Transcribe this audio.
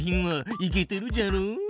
いけてるじゃろ？